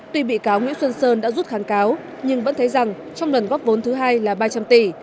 tuy bị cáo nguyễn xuân sơn đã rút kháng cáo nhưng vẫn thấy rằng trong lần góp vốn thứ hai là ba trăm linh tỷ